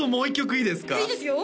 いいですよ